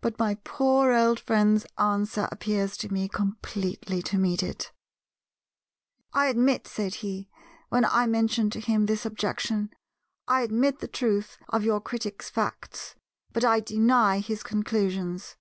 But my poor old friend's answer appears to me completely to meet it. "I admit," said he—when I mentioned to him this objection—"I admit the truth of your critic's facts, but I deny his conclusions.